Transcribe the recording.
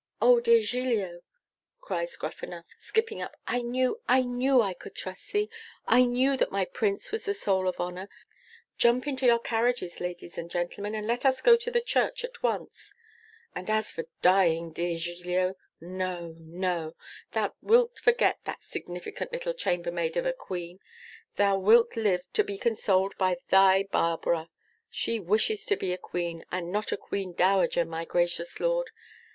'Oh, dear Giglio,' cries Gruffanuff, skipping up, 'I knew, I knew I could trust thee I knew that my Prince was the soul of honour. Jump into your carriages, ladies and gentlemen, and let us go to church at once; and as for dying, dear Giglio, no, no: thou wilt forget that insignificant little chambermaid of a Queen thou wilt live to be consoled by thy Barbara! She wishes to be a Queen, and not a Queen Dowager, my gracious Lord!